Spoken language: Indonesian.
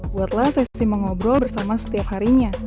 buatlah sesi mengobrol bersama setiap harinya